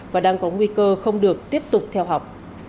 và đang có nguy cơ không được tiếp tục theo học